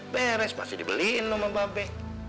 beres pasti dibeliin lo sama mbak be